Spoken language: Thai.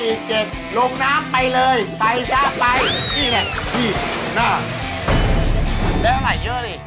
อีกเจ๊กลงน้ำไปเลยไปซะไปนี่แหละอีกหน้า